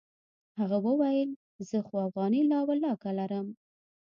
هغه وويل زه خو اوغانۍ لا ولله که لرم.